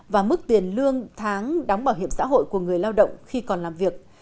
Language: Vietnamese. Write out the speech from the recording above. và mức tiền lương tháng đóng bảo hiểm xã hội của người lao động khi còn làm việc